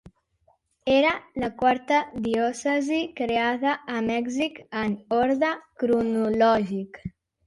Era la quarta diòcesi creada a Mèxic en orde cronològic.